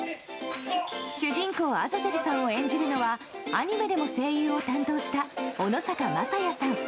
主人公アザゼルさんを演じるのはアニメでも声優を担当した小野坂昌也さん。